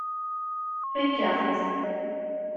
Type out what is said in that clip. Tfakk-aɣ-tt.